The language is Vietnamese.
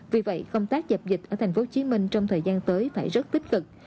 vì vậy công tác dập dịch ở tp hcm trong thời gian tới phải rất tích cực